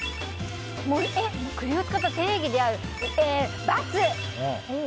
栗を使ったが定義である？×！